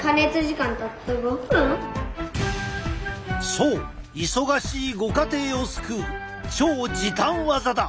そう忙しいご家庭を救う超時短技だ！